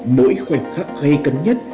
mỗi khoảnh khắc gây cấn nhất